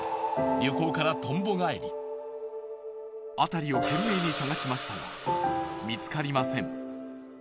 旅行からとんぼ返り辺りを懸命に捜しましたが見つかりません